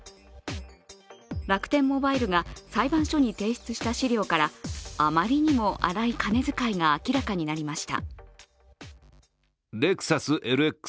楽天モバイルが裁判所に提出した資料から、あまりにも荒い金遣いが明らかになりました。